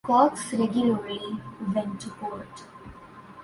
Kox regularly went to court.